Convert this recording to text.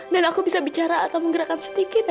dan aku bisa bicara atau menggerakkan setingganya